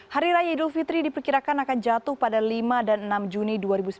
hari raya idul fitri diperkirakan akan jatuh pada lima dan enam juni dua ribu sembilan belas